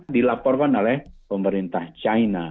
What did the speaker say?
dilaporkan oleh pemerintah china